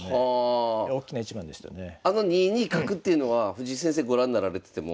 あの２二角っていうのは藤井先生ご覧になられてても。